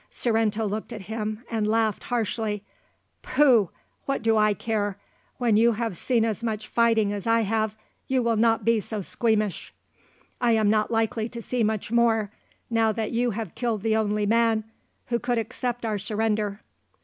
Sorrento looked at him, and laughed harshly. "Pooh! What do I care? When you have seen as much fighting as I have, you will not be so squeamish." "I am not likely to see much more, now that you have killed the only man who could accept our surrender."